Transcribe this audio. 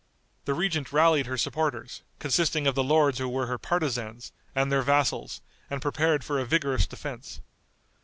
The regent rallied her supporters, consisting of the lords who were her partisans, and their vassals, and prepared for a vigorous defense.